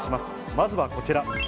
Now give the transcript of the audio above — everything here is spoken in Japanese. まずはこちら。